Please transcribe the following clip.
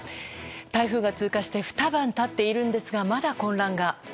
台風が通過してふた晩経っているんですがまだ混乱が。